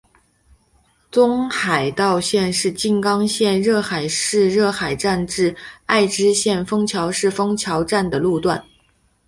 东海道线的静冈县热海市热海站至爱知县丰桥市丰桥站的路段。